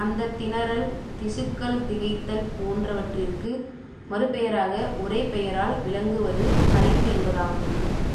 அந்தத் திணறல், திசுக்கள் திகைத்தல் போன்றவற்றிற்கு மறுபெயராக ஒரே பெயரால் விளங்குவது களைப்பு என்பதாகும்.